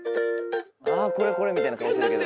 「あぁこれこれ」みたいな顔してるけど。